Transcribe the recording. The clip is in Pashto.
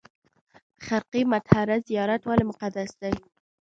خرقه مطهره زیارت ولې مقدس دی؟